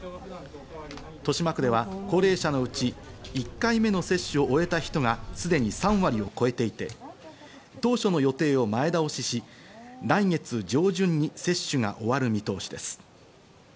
豊島区では高齢者のうち１回目の接種を終えた人が、すでに３割を超えていて、当初の予定を前倒しし、来月上旬に接種が終わる見通しです。